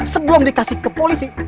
sebelum dikasih ke polisi